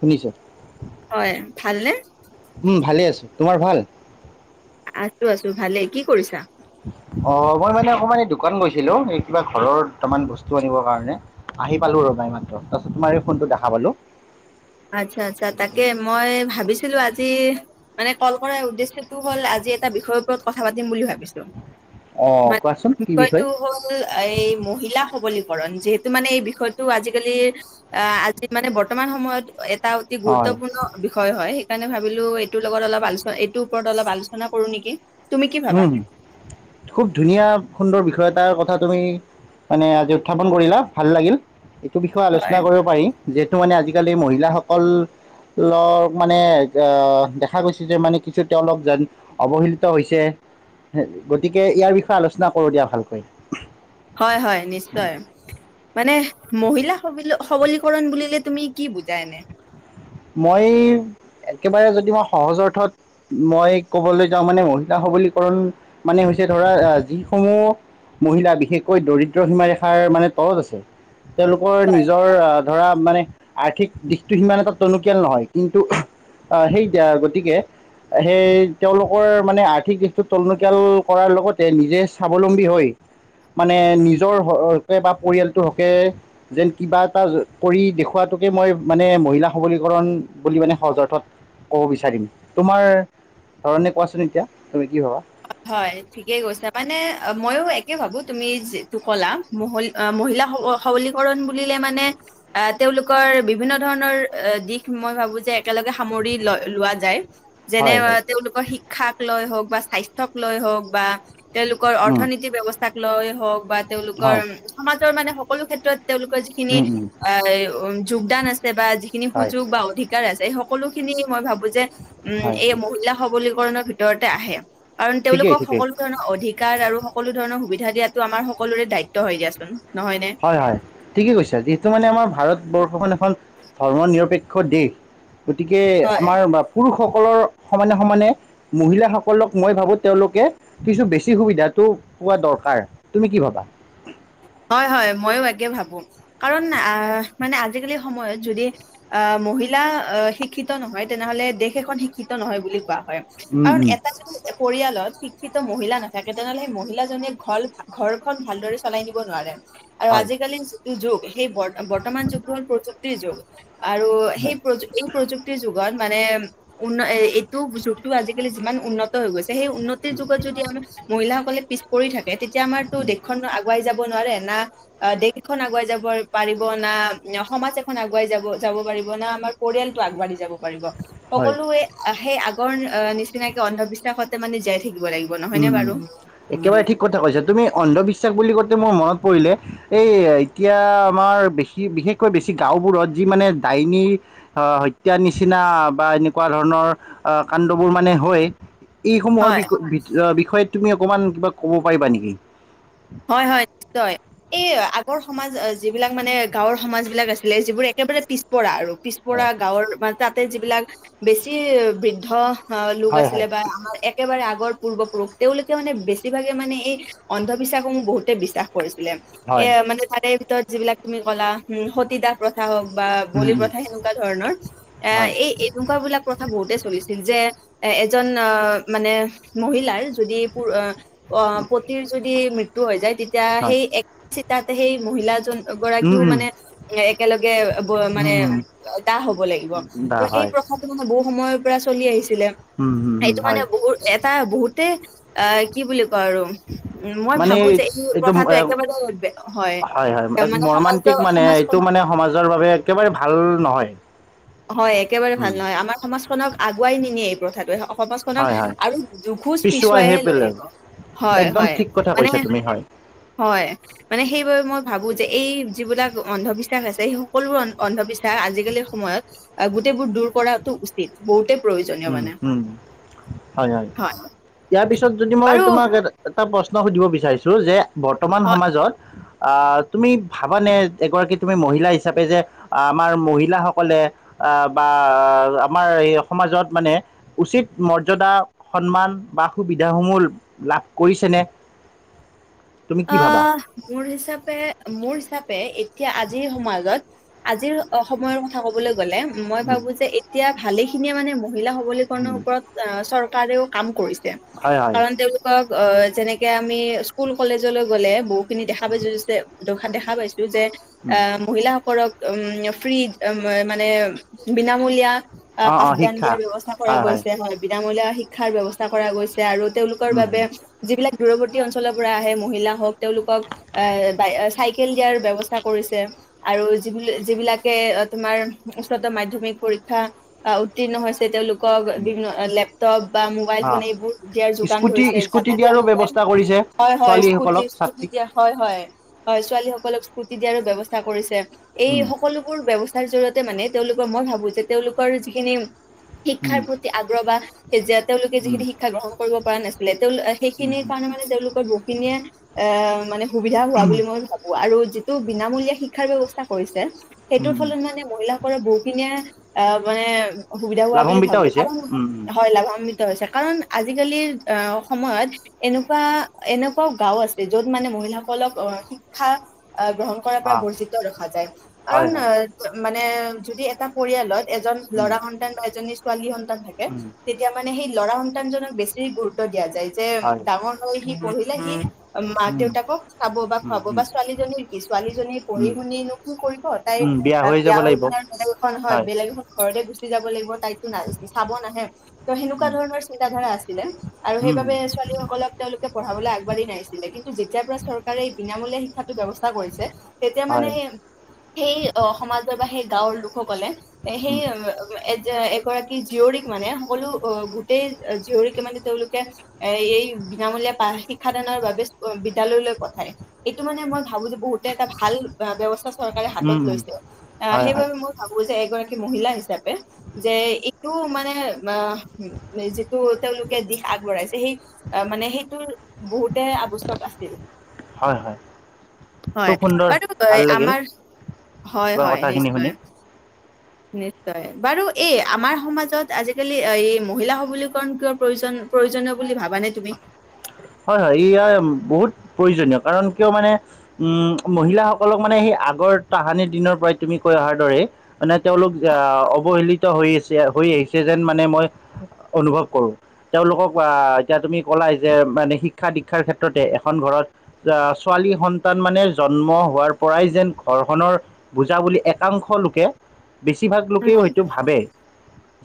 শুনিছে? হয়, ভালনে? উম, ভালে আছোঁ। তোমাৰ ভাল? আছো আছো ভালে, কি কৰিছা। অ মই মানে অকমান এই দোকান এই কিবা ঘৰৰ দুটামান বস্তু আনিবৰ কাৰণে। আহি পালো ৰবা যে মৰ্ত, তোমাৰে এই ফোনটো দেখা পালো। আচ্ছা আচ্ছা তাকে মই ভাবিছিলোঁ আজি মানে ক'ল কৰাৰ উদেশ্যে টো হ'ল আজি এটা বিষয়ৰ ওপৰত কথা পাতিম বুলি ভাবিছো। অ মন, কোৱাচোন কি বিষয় টো হৈ এই মহিলা সবলীকৰণ যিহেতু মানে এই বিষয়টো আজিকালিৰ অ', আজি মানে বৰ্তমান সময়ত এটা অতি হয় গুৰুত্বপূৰ্ণ বিষয় হয় সেইকাৰণে ভাবিলো এইটো লগত অলপ এইটোৰ ওপৰত অলপ আলোচনা কৰোঁ নেকি। তুমি কি ভাবা? উম, খুব ধুনীয়া সুন্দৰ বিষয় এটা কথা তুমি মানে আজি উত্থাপন কৰিলা ভাল লাগিল, এইটো বিষয়ে আলোচনা হয় কৰিব পাৰিম। যিহেতু মানে আজিকালি মহিলা সকল ল'গ মানে জা দেখা গৈছে যে মানে কিছু তেওঁলোক জান অবসিক্ত হৈছে। গতিকে ইয়াৰ বিষয়ে আলোচনা কৰো দিয়া ভালকৈ। হয় হয়, নিশ্চয়। মানে মহিলা খবিলো-খবলীকৰণ বুলিলে তুমি কি বুজা এনে। মই, একেবাৰে যদি মই সহজ অৰ্থত মই ক'বলৈ যাওঁ মানে মহিলা সবলীকৰণ মানে হৈছে ধৰা আহ যিসমূহ মহিলা বিশেষকৈ দৰিদ্ৰ হিমা ৰেখা মানে তল তেওঁলোকৰ নিজৰ ধৰা মানে আৰ্থিক দিশটো সিমান এটো তেওঁ লোকেল নহয় কিন্তু, আহ হেই গতিকে সেই তেওঁলোকৰ মানে আৰ্থিক দিশটো তেওঁলোকৰ কৰাৰ লগতে নিজে স্বাৱলম্বী হৈ। মানে নিজৰ হকে বা পৰিয়ালটোৰ হকে যেন কিবা এটা কৰি দেখুৱাতোকে মই মানে মহিলা সবলীকৰণ বুলি মানে সৰ্জৰ্থত ক'ব বিচাৰিম তোমাৰ ধৰণে কোৱাচোন এতিয়া, তুমি কি ভাবা। হয়। ঠিকেই কৈছা মানে মইয়ো একে ভাবো তুমি যিটো ক'লা মহিল-মহিলাাসকল সৱলীকৰণ বুলিলে মানে। আহ তেওঁলোকৰ বিভিন্ন ধৰণৰ দিশ মই ভাবো যে একেলগে সামৰি ল-লোৱা যায়। যেনে হয় হয় তেওঁলোকৰ শিক্ষাক লৈ হওঁক [unintelligible] লৈহওঁক বা তেওঁলোকৰ উম অৰ্থনীতি ব্যৱস্থাক লৈ হওঁক বা তেওঁলোকৰ হয় সমাজৰ মানে সকলো ক্ষেত্ৰত তেওঁলোকৰ যিখিনি উম উম অ', উম যোগদান আছে বা যিখিনি হয় হয় সুযোগ বা অধিক যাৰ আছে সকলো খিনি মই ভাবোঁ যে, উম হয় এই মহিলা সবলীকৰণৰ বিতৰতে আহে। কাৰণ ঠিকেই তেওঁলোকক ঠিকেই সকলো ধৰণৰ অধিকাৰ আৰু সকলো ধৰণৰ সুবিধা দিয়াটো আমাৰ সকলোৰে দায়িত্ব হয় দিয়াচোন নহয় নে। হয় হয় ঠিকেই কৈছে, যিহটো মানে আমাৰ ভাৰতবৰ্ষখন এখন ধৰ্ম নিৰপেক্ষ দেশ। গতিকে হয় আমাৰ বাপুৰসকলৰ সমানে সমানে। মহিলা সকলোক মই ভাবোঁ, তেওঁলোকে কিছু বেছি সুবিধাটো পোৱা দৰকাৰ তুমি কি ভাবা হয় হয় মইয়ো একে ভাবো কাৰণ আহ মানে আজিকালি সময়ত যদি আহ মহিলা শিক্ষিত নহয় তেনেহলে দেশ এখন শিক্ষিত নহয় বুলি কোৱা হয় উম কাৰণ উম এটা পৰিয়ালত শিক্ষিত মহিলা নাথাকে তেনেহ'লে সেই মহিলা জনীয়ে ঘপ ঘৰখন ভালদৰে চলাই নিব নোৱাৰে আৰু হয় আজিকালিৰ যিটো যুগ সেই বৰ বৰ্তমান যুগ হল প্ৰযুক্তিৰ যুগ আৰু সেই হয় প্ৰযুক এই প্ৰযুক্তিৰ যুগত মানে উন্ন এইটো যুগতটো আজিকালি যিমান উন্নত হৈ গৈছে সেই উন্নতিৰ যুগত যদি আমাৰ মহিলাসকলে পিছ পৰি থাকে তেতিয়া আমাৰতো দেশখন আগ- কোয়াই যাব নোৱাৰে না আ দেশখন আগুৱাই যাব পাৰিব না সমাজ এখন আগুৱাই যাব যাব পাৰিব না আমাৰ পৰিয়ালটো আগবাঢ়ি যাব পাৰিব হয় সকলোৱে সেই আগৰ নিচিনাকে অন্ধবিশ্বাসতে মানে জীয়াই থাকিব লাগিব। নহয়নে উম উম বাৰু? একেবাৰে ঠিক কথা কৈছা, তুমি অন্ধবিশ্বাস বুলি কওঁতে মোৰ মনত পৰিলে এই এতিয়া আমাৰ বেছি বিশেষকৈ বেছি গাঁওবোৰত যি মানে ডাইনী হত্যাৰ নিচিনা বা এনেকুৱা ধৰণৰ কাণ্ডবোৰ মানে হয়। এইসমূহৰ হয় বি বিষয়ত তুমি অকমান কিবা ক'ব পাৰিবা নেকি? হয় হয় নিশ্চয় এই আগৰ সমাজ যিবিলাক মানে গাঁৱৰ সমাজ বিলাক আছিলে যিবোৰ একেবাৰে পিছপৰা আৰু পিছপৰা হয় গাঁৱৰ মানে তাতে যিবিলাক বেছি বৃদ্ধ অ লোক হয় আছিলে হয় বা আমাৰ একেবাৰে আগৰ পূৰ্বপুৰুষ তেওঁলোকে মানে বেছিভাগে মানে এই অন্ধ বিশ্বাস সমূহ বহুতে বিশ্বাস কৰিছিলে, এ হয় মানে তাৰে ভিতৰত যিবিলাক তুমি ক'লা সতী দাস প্ৰথা হওক বা উম বলি উম প্ৰথা সেনেকুৱা ধৰণৰ এ হয় এই এনেকুৱা বিলাক প্ৰথা বহুতে চলিছিল যে এ এজন আহ মানে মহিলাৰ যদি পো আ অ পতিৰ যদি মৃত্যু হৈ যায়, তেতিয়া হয় সেই এক চিতাতে সেই মহিলাজন উম গৰাকীও উম মানে একেলগে ব উম মানে দাহ হব লাগিব, উম ত বা এই হয় প্ৰস সেইটো মানে বহু সময়ৰ পৰা চলি আহিছিলে, উম উম উম সেইটো মানে হয় বহুত এটা বহুতে অ কি বুলি কয় আৰু উম, মই মানে ভাবো যে এই এইটো প্ৰথাটো একেবাৰে হয় হয়, মানে সমাজ মৰ্মান্তিক মানে সমাজখন এইটো মানে সমাজৰ বাবে একেবাৰে ভাল নহয়। হয় একেবাৰে উম ভাল নহয়, আমাৰ সমাজখনক আগুৱাই নি নিয়ে এই প্ৰথাটোৱে সমাজখনক হয় হয় আৰু দুখোজ পিছুৱাইহে লৈ আহিব। হয় একদম হয় ঠিক কথা মানে কৈছা তুমি হয় হয়। মানে সেইবাবে মই ভাবো যে এই যিবিলাক অন্ধবিশ্বাস আছে সেই সকলোবোৰ অন্ধবি শ্বাস আজিকালিৰ সময়ত আহ গোটেইবোৰ দূৰ কৰাটো উচিত বহুতেই প্ৰয়োজনীয় উম মানে। উম হয় হয়, ইয়াৰ পিছত যদি মই বাৰু তোমাক এটা এটা প্ৰশ্ন সুধিব বিচাৰিছো যে বৰ্তমান হয় সমাজত আহ তুমি ভাবানে এগৰাকী তুমি মহিলা হিচাপে যে আমাৰ মহিলাসকলে আ বা আমাৰ এই সমাজত মানে উচিত মৰ্যাদা সন্মান বা সুবিধাসমূহ লাভ কৰিছেনে? তুমি কি অ ভাবা মোৰ হিচাপে মোৰ হিচাপে এতিয়া আজিৰ সমাজত আজিৰ অ সময়ৰ কথা ক'বলৈ গলে মই উম, ভাবো যে এতিয়া ভালে খিনিয়ে মানে মহিলা সবলীকৰণৰ উম, ওপৰত আ চৰকাৰেও কাম কৰিছে, হয় হয় কাৰণ তেওঁলোকক যেনেকে আমি স্কুল কলেজলৈ গলে বহুখিনি দেখা পাইছো দেখা পাইছো যে উম, আম মহিলাসকলক উম ফ্ৰী মানে বিনামূলীয়া আ অ অ পাঠদান শিক্ষা দিয়াৰ ব্যৱস্থা কৰা গৈছে হয়। বিনামূলীয়া শিক্ষাৰ ব্যৱস্থা কৰা গৈছে আৰু তেওঁলোক [unintelligible] উম উম বাবে যিবিলাক দূৰৱৰ্তী অঞ্চলৰ পৰা আহে মহিলা হওক তেওঁলোকক আহ, চাইকেল দিয়াৰ ব্যৱস্থা কৰিছে। আৰু য-যিবিলাকে তোমাৰ উচ্চতৰ মাধ্যমিক পৰীক্ষা উত্তীৰ্ণ হৈছে উম তেওঁলোক লেপটপ বা মোবাইল অ ফোন এইবোৰ দিয়াৰ যোগান স্কুটি ধৰিছে স্কুটি যাতে দিয়াৰো তেওঁলোকে ব্যৱস্থা কৰিছে হয়, হয় স্কুটি, ছোৱালীসকলক স্কুটি ছাত্ৰীক দিয়া হয়, হয়, হয়। ছোৱালী সকলক স্কুটি দিয়াৰো ব্যৱস্থা কৰিছে এই উম সকলোবোৰ ব্যৱ [unintelligible] জৰিয়তে মানে তেওঁলোকৰ মই ভাবো যে তেওঁলোকৰ যিখিনি শিক্ষাৰ উম প্ৰতি আগ্ৰহ বা তেতিয়া তেওঁলোকে উম যিখিনি শিক্ষা গ্ৰহণ কৰিব পৰা নাছিলে তেওঁ উম সেইখিনিৰ উম কাৰণে মানে তেওঁলোক বহুখিনিয়ে মানে সুবিধা হোৱা বুলি মই ভা আৰু যিটো বিনামূলীয়া শিক্ষাৰ ব্যৱস্থা কৰিছে উম সেইটোৰ উম ফলত মানে মহিলা [unintelligible] বহুখিনিয়ে মানে সুবিধা হোৱা বুলি লাভান্বিত ভাবো, হৈছে কাৰণ উম উম হয় লাভান্বিত [unintelligible] কাৰণ আজিকালিৰ আহ সময়ত এনেকুৱা এনেকুৱাও গাঁও আছে, য'ত মানে মহিলাসকলক শিক্ষা গ্ৰহণ কৰাৰ পৰা অ বৰ্জিত ৰখা যায়, কাৰণ হয় হয় মানে যদি এটা পৰিয়ালত এজন উম ল'ৰা সন্তান বা এজনী ছোৱালী সন্তান থাকে উম তে তেতিয়া মানে সেই ল'ৰা সন্তানজনক বেছি গুৰুত্ব দিয়া যায়, যে হয় ডাঙৰ হৈ সি পঢ়িলে সি মাক উম দেউতাকক খাব বা উম খুৱাব বা উম ছোৱালীজনীৰ কি, ছোৱালীজনীৰ পঢ়ি উম শুনি নো কি কৰিব তাই উম যাব বিয়া হৈ লাগিব পিনে বেলেগ এখন হয়, বেলেগ এখন ঘৰতে গুচি যাব লাগিব তাই চাব নাহে ত' সেনেকুৱা উম ধৰণৰ চিন্ত ধাৰা আছিলে আৰু উম সেইবাবে উম ছোৱালী সকলক তেওঁলোকে পঢ়াবলৈ আগবাঢ়ি নাহিছিলে, কিন্তু যেতিয়াৰপৰা চৰকাৰে এই বিনামূলীয়া শিক্ষাটোৰ ব্যৱস্থা কৰিছে তেতিয়া মানে হয় সেই সমাজৰ বা সেই গাঁওৰ লোকসকলে এ সেই উম এ এগৰাকী জীয়ৰীক মানে সকলো গোটেই জীয়ৰীকে মানে তেওঁলোকে এই বিনামূলীয়া শিক্ষাদানৰ বাবে বিদ্যালয়লৈ পঠায় এইটো মানে মই ভাবো যে বহুত এটা ভাল ব্যৱস্থা চৰকাৰে হাতত উম উম লৈছে, আহ হয় হয় সেইবাবে মোৰ ভাবো যে এগৰাকী মহিলা হিচাপে যে এইটো মানে যিটো তেওঁলোকে দিশ আগবঢ়াইছে সেই মানে সেইটো বহুতে আৱশ্যক আছিল। হয় হয় হয় খুব সুন্দৰ বাৰু ভাল লাগিল আমাৰ, হয়, তোমাৰ হয়, কথাখিনি শুনি নিশ্চয়। [inaudible] নিশ্চয়, বাৰু এই আমাৰ সমাজত আজিকালি মহিলা সবলীকৰণ কিয় প্ৰয়োজন? প্ৰয়োজনীয় বুলি ভাবা নে তুমি? হয়, হয় ইয়া বহুত প্ৰয়োজনীয় কাৰণ কিয় মানে উম, মহিলাসকলক মানে সেই আগৰ তাহানিৰ দিনৰ পৰাই তুমি কৈ অহাৰ দৰে মানে তেওঁলোক আহ অৱহেলিত হৈ আছে, হৈ আহিছে যেন মানে মই অনুভৱ কৰো। তেওঁলোকক আহ, এতিয়া তুমি কলাই যে মানে শিক্ষা দীক্ষাৰ ক্ষেত্ৰতে এখন ঘৰত ছোৱালী সন্তান মানে জন্ম হোৱাৰ পৰাই যেন ঘৰখনৰ বুজা বুলি একাংশ লোকে, বেছিভাগ উম, লোকেই হয়তো ভাবে।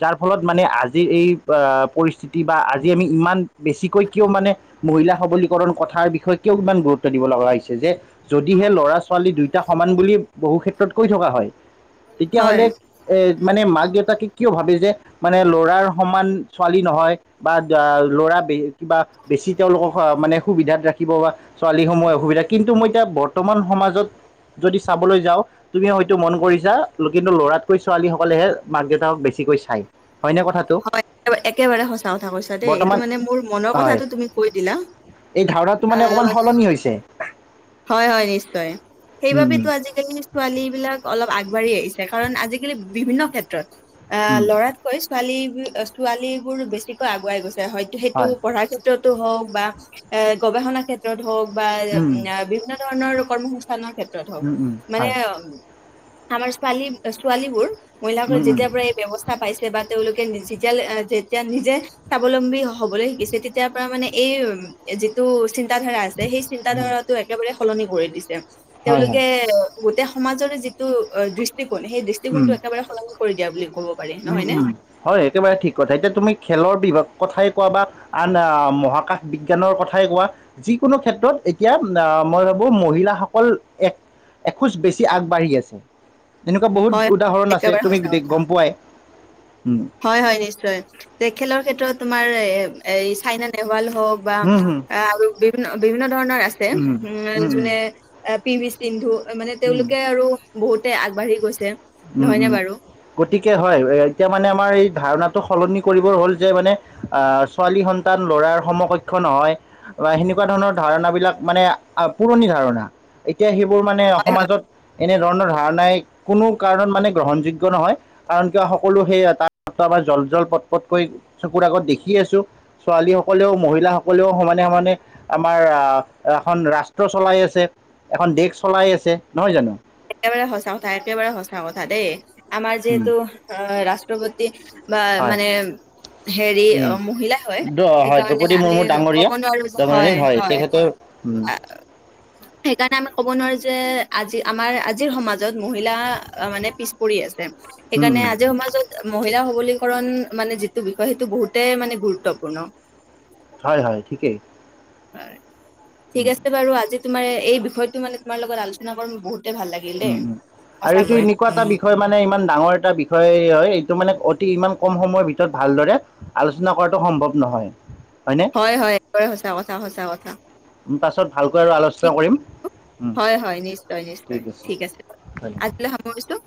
যাৰ ফলত মানে আজিৰ এই আহ, পৰিস্থিতি বা আজি আমি ইমান বেছিকৈ কিয় মানে মহিলা সবলীকৰণ কথাৰ বিষয়ে কিয় ইমান গুৰুত্ব দিব লগা হৈছে যে যদিহে ল'ৰা ছোৱালী দুয়োটা সমান বুলি বহু ক্ষেত্ৰত কৈ থকা হয়, হয় তেতিয়াহ'লে এ, মানে মাক দেউতাকে কিয় ভাবে যে মানে ল'ৰাৰ সমান ছোৱালী নহয়। বা ল'ৰা বে কিবা বেছি তেওঁলোকক মানে সুবিধাত ৰাখিব বা ছোৱালীসমূহে অসুবিধাত, কিন্তু মই এতিয়া বৰ্তমান সমাজত যদি চাবলৈ যাওঁ তুমি হয়তো মন কৰিছা কিন্তু ল'ৰাতকৈ ছোৱালী সকলেহে মাক দেউতাকক বেছিকৈ চাই। হয় একেবাৰে সঁচা কথা কৈছা দেই, এইটো বৰ্তমান মানে মোৰ মনৰ হয় কথাটো তুমি কৈ দিলা। এই ধাৰণাটো মানে অকমান সলনি হৈছে হয় হয় নিশ্চয়, উম সেইবাবে উম তো আজি ফেমিনিষ্ট ছোৱালী বিলাক অলপ আগবাঢ়ি আহিছে কাৰণ আজিকালি বিভিন্ন ক্ষেত্ৰত এহ উম ল'ৰাত কৈ ছোৱালী, ছোৱালী বোৰ বেছিকৈ আগুৱাই গৈছে, হয়তো সেইটো হয় পঢ়াৰ ক্ষেত্ৰত হওঁক বা এ গৱেষণা ক্ষেত্ৰত হওঁক বা উম না এ বিভি ভিন্ন ধৰণৰ কৰ্মসস্থানৰ ক্ষেত্ৰত হওঁক উম উম উম মানে হয় আমাৰ ছোৱালী, ছোৱালীবোৰ মহিলাসকলে উম উম যেতিয়াৰ পৰা এই ব্যৱস্থা পাইছে বা তেওঁলোক যেতিয়া যেতিয়া নিজে স্বাৱলম্বী হ'বলৈ শিকিছে তেতিয়াৰ পৰা মানে এই যিটো চিন্তাধাৰা আছে সেই উম চিন্তাধাৰাটো একেবাৰে সলনি কৰি দিছে, হয় হয় তেওঁলোকে এ গোটেই সমাজৰে যিটো দৃষ্টিকোণ, সেই উম দৃষ্টিকোণটো একেবাৰে সলনি কৰি দিয়া বুলি ক'ব পাৰি উম নহয় নে উম হয় একেবাৰে ঠিক কথা এতিয়া তুমি খেলৰ বিভাগ কথাই কোৱা বা আন আ মহাকাশ বিজ্ঞানৰ কথাই কোৱা যিকোনো ক্ষেত্ৰত এতিয়া আ মই ভাবোঁ মহিলাসকল এক এখোজ বেছি আগবাঢ়ি আছে, এনেকুৱা বহুত হয় উদাহৰণ আছে একেবাৰে তুমি সঁচা দেখ কথা গম পোৱাই। উম। হয় হয় নিশ্চয়, যে খেলৰ ক্ষেত্ৰত তোমাৰ এ এই চাইনা দেৱাল হওঁক বা হুম, হুম, আৰু বিভিন্ন বিভিন্ন ধৰণৰ আছে, উম যোনে পি ভি সিন্ধু মানে উম, তেওঁলোকে আৰু বহুতে আগবাঢ়ি গৈছে। উম নহয়নে উম বাৰু? গতিকে হয়, এতিয়া মানে আমাৰ এই ধাৰণাটো সলনি কৰিবৰ হ'ল যে মানে আ ছোৱালী সন্তান ল'ৰাৰ সমকক্ষ নহয়। বা সেনেকুৱা ধৰণৰ ধাৰণা বিলাক মানে আ পুৰণি ধাৰণা। এতিয়া সেইবোৰ মানে হয়, হয়, সমাজত এনেধৰণৰ ধাৰণাই কোনো কাৰণত মানে গ্ৰহণযোগ্য নহয়, কাৰণ কিয় সকলো তাত আমাৰ জল জল পট পটকৈ চকুৰ আগত দেখিয়ে আছোঁ, ছোৱালী সকলেও মহিলাসকলেও সমানে সমানে আমাৰ আ এখন ৰাষ্ট্ৰ চলাই আছে, এখন দেশ চলাই আছে নহয় জানো? একেবাৰে সঁচা কথা, একেবাৰে সঁচা কথা দেই আমাৰ উম, যিহেতু আ ৰাষ্ট্ৰপতি তি বা হয় মানে হেৰি উম। অ', মহিলাই হয়, দ হয় সেইকাৰণে দ্ৰৌপদী আমি মুৰ্মু ডাঙৰীয়া ক'ব নোৱাৰো যে ডাঙৰীয়ানী হয় হয়। তেখেতৰ উম। সেইকাৰণে আমি ক'ব নোৱাৰো যে আজি আমাৰ আজিৰ সমাজত মহিলা আ মানে পিছ পৰি আছে উম সেইকাৰণে উম আজিৰ সমাজত মহিলা সবলীকৰণ মানে যিটো বিষয়, সেইটো বহুতে মানে গুৰুত্বপূৰ্ণ। হয় হয় ঠিকেই। হয় ঠিক উম আছে বাৰু আজি তোমাৰ এই বিষয়টো মানে তোমাৰ লগত আলোচনা কৰি মই বহুত উম উম আৰু এইটো এনেকুৱা এটা বিষয় মানে ইমান ডাঙৰ এটা বিষ বিষয় হয় এইটো মানে অতি ইমান কম সময়ৰ ভিতৰত ভালদৰে আলোচনা কৰাটো সম্ভৱ নহয়, হয় নে? হয় হয়, একবাৰে সঁচা কথা, সঁচা কথা। পাছত ভালকৈ আৰু আলোচনা ঠিক কৰিম। হয় হয়, নিশ্চয় নিশ্চয়, ঠিক আছে বাৰু ধন্যবাদ আজিলৈ সামৰিছোঁ।